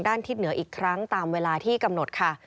ทิศเหนืออีกครั้งตามเวลาที่กำหนดค่ะ